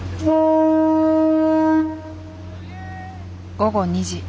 午後２時。